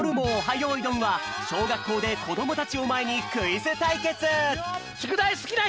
よいどん」はしょうがっこうでこどもたちをまえにクイズたいけつ！